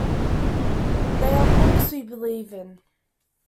They are books we believe in.